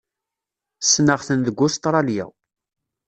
Ssneɣ-ten deg Ustṛalya.